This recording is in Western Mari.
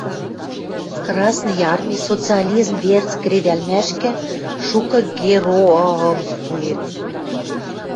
Красный Арми социализм верц кредӓлмӓшкӹ шукы героыым пуэн